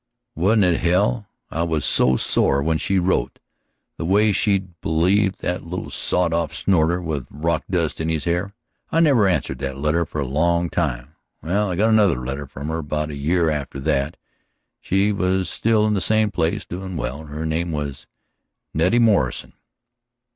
"Wasn't it hell? I was so sore when she wrote, the way she'd believed that little sawed off snorter with rock dust in his hair, I never answered that letter for a long time. Well, I got another letter from her about a year after that. She was still in the same place, doin' well. Her name was Nettie Morrison."